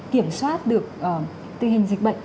kiểm soát được tình hình dịch bệnh